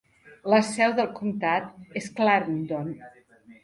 La seu del comtat és Clarendon.